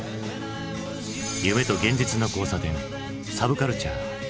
夢と現実の交差点サブカルチャー。